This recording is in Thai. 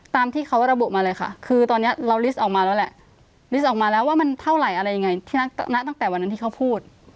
ตามที่เขาระบุมาเลยค่ะคือตอนนี้เราลิสต์ออกมาแล้วแหละลิสต์ออกมาแล้วว่ามันเท่าไหร่อะไรยังไงที่ณตั้งแต่วันนั้นที่เขาพูด